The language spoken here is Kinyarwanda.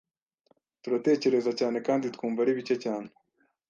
Turatekereza cyane kandi twumva ari bike cyane.